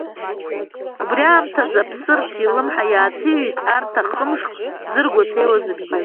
Убри аамҭаз Аԥсырҭ илымҳа иааҭаҩит арҭ ахымшк дзыргәаҭеиуаз абжьы…